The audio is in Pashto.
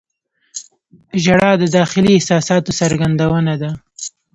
• ژړا د داخلي احساساتو څرګندونه ده.